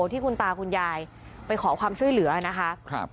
ที่คุณตาคุณยายไปขอความช่วยเหลือนะคะ